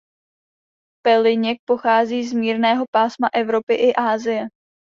Pelyněk pochází z mírného pásma Evropy i Asie.